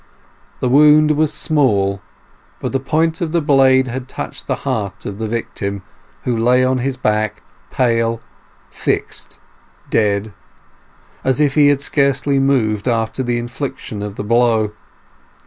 The wound was small, but the point of the blade had touched the heart of the victim, who lay on his back, pale, fixed, dead, as if he had scarcely moved after the infliction of the blow.